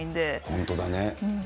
本当だね。